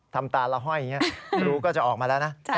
ทำตาละไห้อย่างนี้ครูก็จะออกมาแล้วนะ